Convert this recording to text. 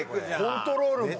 コントロールも。